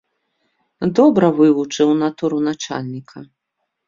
Добра вывучыў натуру начальніка.